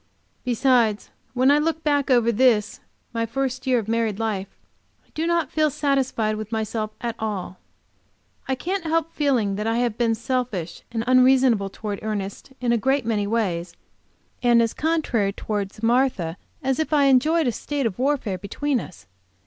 Besides, when I look back over this my first year of married life, I do not feel satisfied with myself at all. I can't help feeling that I have been selfish and unreasonable towards Ernest in a great many ways, and as contrary towards Martha as if I enjoyed a state of warfare between us.